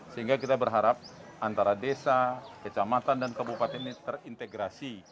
sehingga kita berharap antara desa kecamatan dan kabupaten ini terintegrasi